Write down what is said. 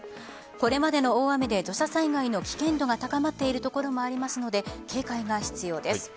これまでの大雨で土砂災害の危険度が高まっている所もありますので警戒が必要です。